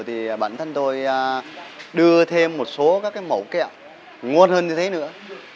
thì bản thân tôi đưa thêm một số các cái mẫu kẹo ngon hơn như thế nữa